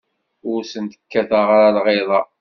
Ur sent-kkateɣ ara lɣiḍa.